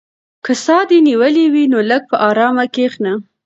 که ساه دې نیولې وي نو لږ په ارامه کښېنه.